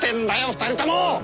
２人とも！